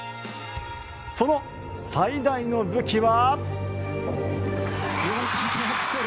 その最大の武器は。